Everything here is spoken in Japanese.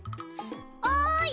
おい！